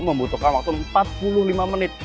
membutuhkan waktu empat puluh lima menit